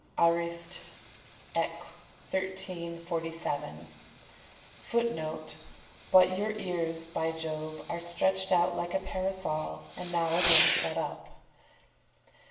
Arist. Eq., 1347. [Footnote: "But your ears, by Jove, are stretched out like a parasol, and now again shut up."